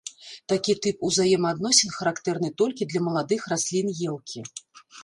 Такі тып узаемаадносін характэрны толькі для маладых раслін елкі.